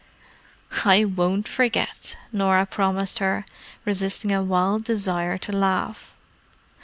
"I won't forget," Norah promised her, resisting a wild desire to laugh.